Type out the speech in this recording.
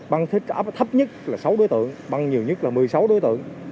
băng thấp nhất là sáu đối tượng băng nhiều nhất là một mươi sáu đối tượng